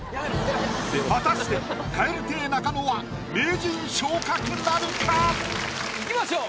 果たして蛙亭中野はいきましょう。